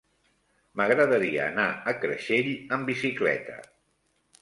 M'agradaria anar a Creixell amb bicicleta.